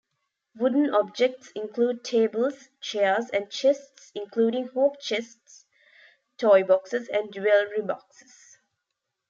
Wooden objects include tables, chairs, and chests, including hope chests, toyboxes and jewelry boxes.